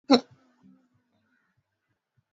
Pia kutokana na mgawanyiko wa madhehebu kumekuwa na